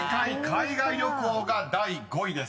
「海外旅行」が第５位です］